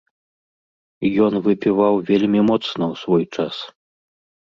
Ён выпіваў вельмі моцна ў свой час.